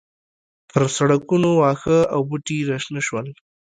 پر سړکونو واښه او بوټي راشنه شول.